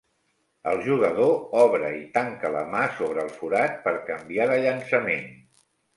El jugador obre i tanca la mà sobre el forat per canviar de llançament.